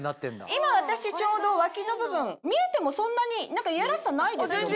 今私ちょうど脇の部分見えてもそんなにいやらしさないですよね？